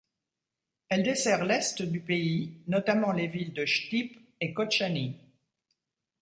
Elle dessert l'est du pays, notamment les villes de Chtip et Kotchani.